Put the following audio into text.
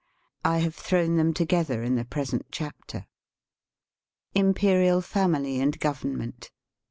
I have thrown them together in the present chapter. Imperial Family and Government.